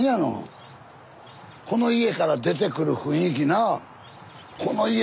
この家から出てくる雰囲気な。